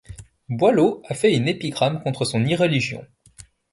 Boileau a fait une épigramme contre son irreligion.